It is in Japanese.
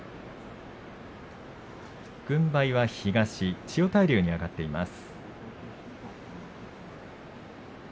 軍配は東千代大龍に上がっています。